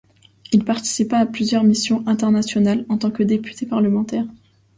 Il participa à plusieurs missions internationales en tant que député parlementaire.